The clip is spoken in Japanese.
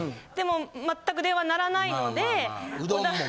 でも全く電話鳴らないので。